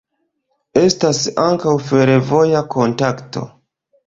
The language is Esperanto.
Estas ankaŭ fervoja kontakto.